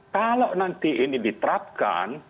kalau nanti ini diterapkan